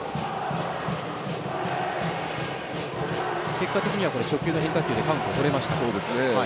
結果的には初球の変化球でカウントをとれました。